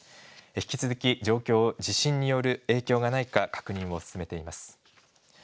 引き続き、状況を、地震による影響がないか確認を進めています。